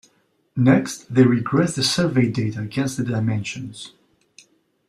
Next they regress the survey data against the dimensions.